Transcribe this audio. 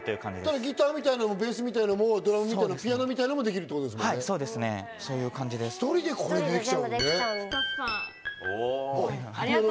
ギターみたいなのもベースみたいなのもドラムみたいなのもピアノみたいなのもできる、１人でできちゃう。